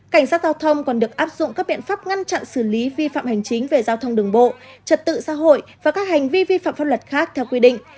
cảnh sát giao thông còn được áp dụng các biện pháp ngăn chặn xử lý vi phạm hành chính về giao thông đường bộ trật tự xã hội và các hành vi vi phạm pháp luật khác theo quy định